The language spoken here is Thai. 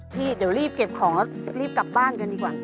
ที่เดี๋ยวรีบเก็บของแล้วรีบกลับบ้านกันดีกว่า